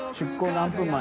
亶何分前？